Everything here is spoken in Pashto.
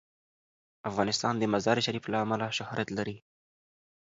افغانستان د مزارشریف له امله شهرت لري.